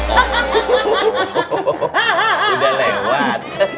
oh sudah lewat